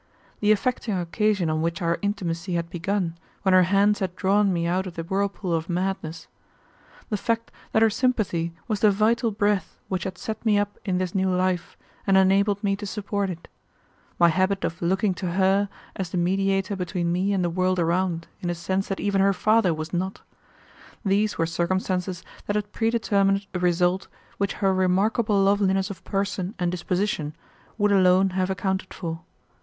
The affecting occasion on which our intimacy had begun, when her hands had drawn me out of the whirlpool of madness; the fact that her sympathy was the vital breath which had set me up in this new life and enabled me to support it; my habit of looking to her as the mediator between me and the world around in a sense that even her father was not, these were circumstances that had predetermined a result which her remarkable loveliness of person and disposition would alone have accounted for.